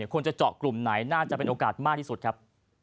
ควรจะเจาะกลุ่มไหนน่าจะเป็นโอกาสมากที่สุดครับ